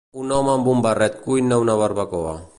Un home amb un barret cuina una barbacoa.